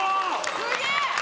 すげえ！